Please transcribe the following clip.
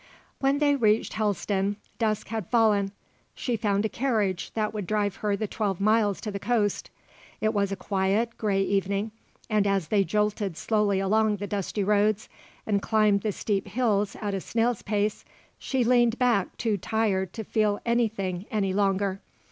When they reached Helston, dusk had fallen. She found a carriage that would drive her the twelve miles to the coast. It was a quiet, grey evening and as they jolted slowly along the dusty roads and climbed the steep hills at a snail's pace, she leaned back too tired to feel anything any longer.